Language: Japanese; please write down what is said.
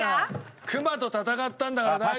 熊と戦ったんだから大丈夫だよ。